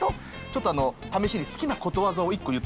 ちょっと試しに好きなことわざを１個言ってください。